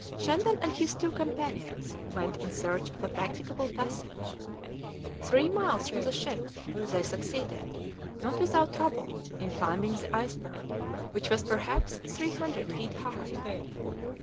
Shandon and his two companions went in search of a practicable passage. Three miles from the ship they succeeded, not without trouble, in climbing the iceberg, which was perhaps three hundred feet high.